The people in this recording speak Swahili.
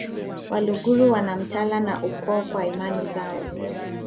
Waluguru wana mtala na ukoo kwa imani zao